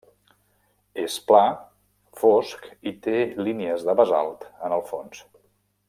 És pla, fosc i té línies de basalt en el fons.